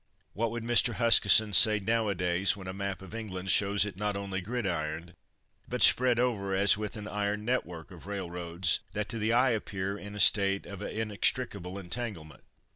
What would Mr. Huskisson say now a days, when a map of England shows it not only gridironed, but spread over as with an iron net work of railroads, that to the eye appear in a state of a inextricable entanglement?